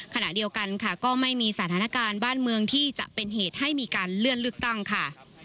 ขณะเดียวกันค่ะก็ไม่มีสถานการณ์บ้านเมืองที่จะเป็นเหตุให้มีการเลื่อนเลือกตั้งค่ะ